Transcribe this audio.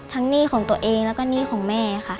หนี้ของตัวเองแล้วก็หนี้ของแม่ค่ะ